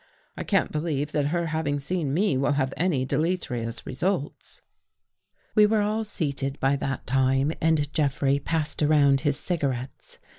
I can't believe that her having seen me will have any deleterious results." We were all seated by that time and Jeffrey passed around his cigarettes.